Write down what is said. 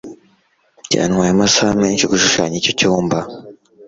Byantwaye amasaha menshi gushushanya icyo cyumba